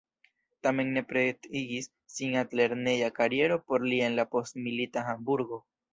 Tamen ne pretigis sin altlerneja kariero por li en la postmilita Hamburgo.